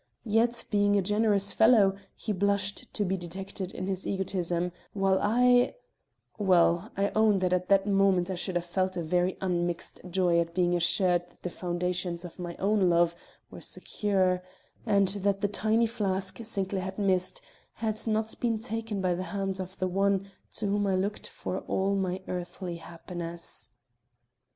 Yet, being a generous fellow, he blushed to be detected in his egotism, while I well, I own that at that moment I should have felt a very unmixed joy at being assured that the foundations of my own love were secure, and that the tiny flask Sinclair had missed had not been taken by the hand of the one to whom I looked for all my earthly happiness.